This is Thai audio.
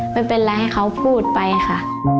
ไม่เป็นไรให้เขาพูดไปค่ะ